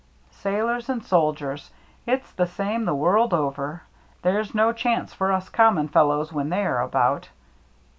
" Sailors and soldiers — it's the same the world over ! There's no chance for us com mon fellows when they are about.